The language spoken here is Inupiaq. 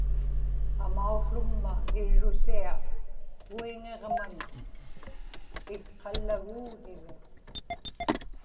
amauługma irrusia kuiŋiġman itqallaguugiga